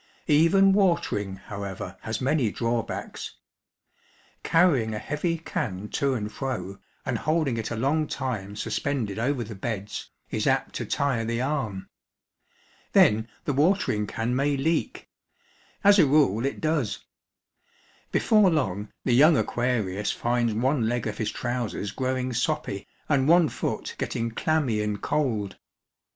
Even watering, however, has many drawbacks. Carrying a heavy can to and fro, and holding it a long time suspended over the beds, is apt to tire the arm. Then the watering can may leak ŌĆö as a rule, it does. Before long, the young Aquarius finds one leg of his trousers growing soppy, and one foot getting clammy and cold.